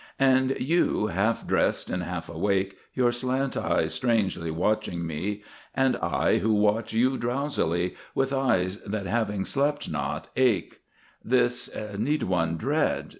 And you, half dressed and half awake, Your slant eyes strangely watching me; And I, who watch you drowsily, With eyes that, having slept not, ache: This (need one dread?